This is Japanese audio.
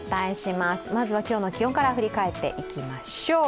まずは今日の気温から振り返っていきましょう。